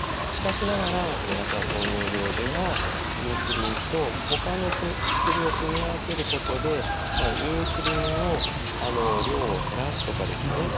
しかしながら２型糖尿病ではインスリンと他の薬を組み合わせることでインスリンの量を減らすとかですね